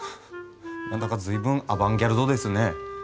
何だか随分アバンギャルドですね。